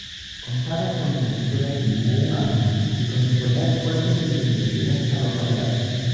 Contaba con una victoria final alemana y con imponer fuertes indemnizaciones a los Aliados.